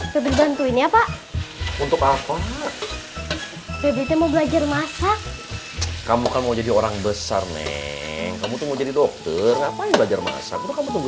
sampai jumpa di video selanjutnya